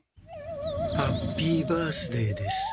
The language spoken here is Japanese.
「ハッピー・バースデー」です。